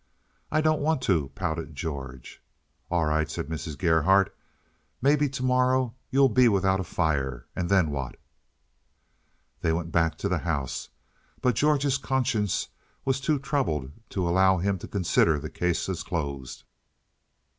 "I don't want to," pouted George. "All right," said Mrs. Gerhardt, "maybe to morrow you'll be without a fire, and then what?" They went back to the house, but George's conscience was too troubled to allow him to consider the case as closed.